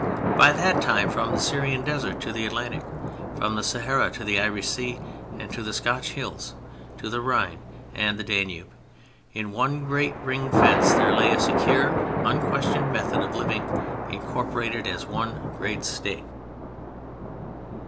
By that time, from the Syrian Desert to the Atlantic, from the Sahara to the Irish Sea and to the Scotch hills, to the Rhine and the Danube, in one great ring fence, there lay a secure and unquestioned method of living incorporated as one great State.